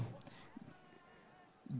jiepe kawasan jepang